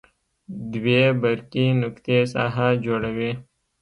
دوې برقي نقطې ساحه جوړوي.